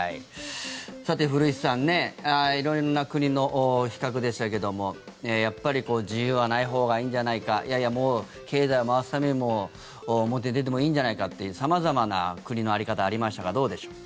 さて、古市さん色んな国の比較でしたけどもやっぱり自由はないほうがいいんじゃないかいやいや、もう経済を回すために表出てもいいんじゃないかと様々な国の在り方がありましたがどうでしょう？